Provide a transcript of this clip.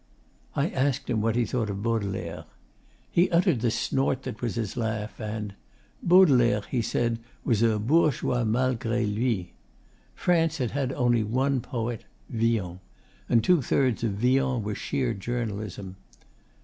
I asked him what he thought of Baudelaire. He uttered the snort that was his laugh, and 'Baudelaire,' he said, 'was a bourgeois malgre lui.' France had had only one poet: Villon; 'and two thirds of Villon were sheer journalism.